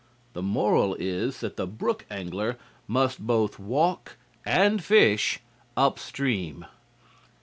The moral is that the brook angler must both walk and fish upstream."